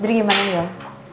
jadi gimana yol